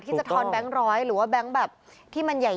ทอนแบงค์ร้อยหรือว่าแบงค์แบบที่มันใหญ่